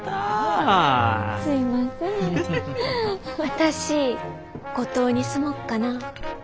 私五島に住もっかな。